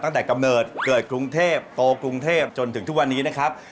กำเนิดเกิดกรุงเทพโตกรุงเทพจนถึงทุกวันนี้นะครับ